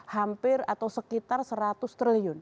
hampir atau sekitar seratus triliun